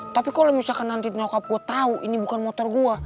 tapi kalau misalkan nanti gue tahu ini bukan motor gue